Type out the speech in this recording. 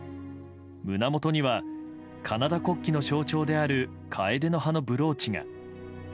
胸元にはカナダ国旗の象徴であるカエデの葉のブローチが。